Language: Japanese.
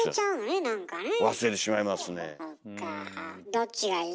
どっちがいい？